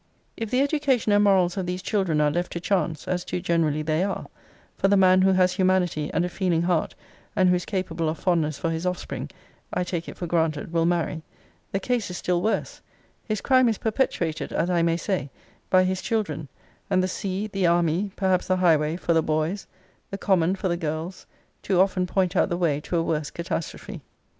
If the education and morals of these children are left to chance, as too generally they are, (for the man who has humanity and a feeling heart, and who is capable of fondness for his offspring, I take it for granted will marry,) the case is still worse; his crime is perpetuated, as I may say, by his children: and the sea, the army, perhaps the highway, for the boys; the common for the girls; too often point out the way to a worse catastrophe.